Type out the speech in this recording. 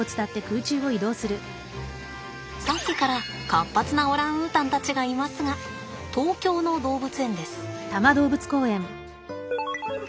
さっきから活発なオランウータンたちがいますが東京の動物園です。